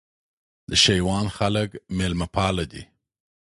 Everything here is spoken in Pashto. د شېوان خلک مېلمه پاله دي